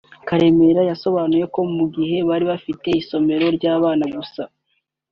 Karemera yasobanuye ko mu gihe bari bafite isomero ry’abana gusa